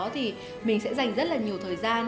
thì mình sẽ dành rất là nhiều thời gian